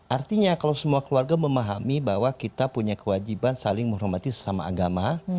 artinya kalau semua keluarga memahami bahwa kita punya kewajiban saling menghormati sesama agama